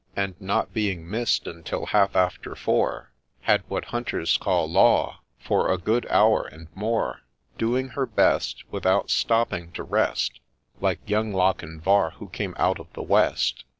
And not being miss'd until half after four, Had what hunters call ' law ' for a good hour and more ; Doing her best, Without stopping to rest, Like ' young Lochinvar who came out of the West.'